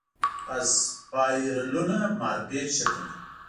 اسپایرلونه مارپیچ شکل لري.